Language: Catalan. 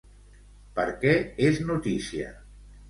Per què és notícia?